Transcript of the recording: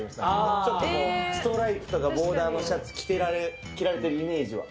ちょっとこう、ストライプとかボーダーのシャツ着られてるイメージは。